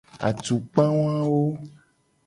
Atukpa wawo.